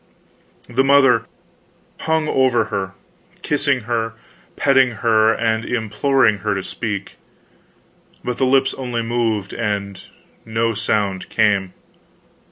The mother hung over her, kissing her, petting her, and imploring her to speak, but the lips only moved and no sound came.